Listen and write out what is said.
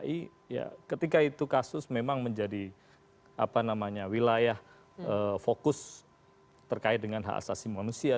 tapi ketika itu kasus memang menjadi wilayah fokus terkait dengan hak asasi manusia